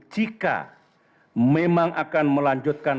jika memang akan melanjutkan